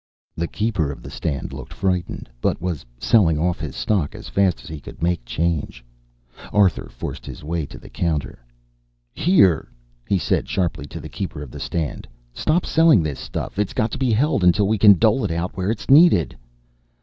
The keeper of the stand looked frightened, but was selling off his stock as fast as he could make change. Arthur forced his way to the counter. "Here," he said sharply to the keeper of the stand, "stop selling this stuff. It's got to be held until we can dole it out where it's needed."